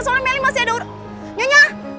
soalnya meli masih ada ur nyonya